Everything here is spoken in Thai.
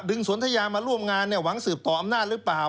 ดึงสนทะยะมาร่วมงานเนี่ยหวังสืบต่ออำนาจหรือเปล่า